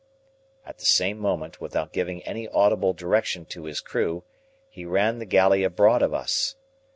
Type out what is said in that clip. At the same moment, without giving any audible direction to his crew, he ran the galley abroad of us.